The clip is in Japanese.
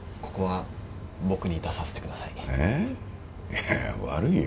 いやいや悪いよ。